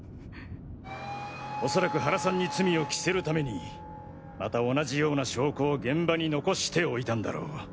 おそらく原さんに罪をきせるためにまた同じような証拠を現場に残しておいたんだろう。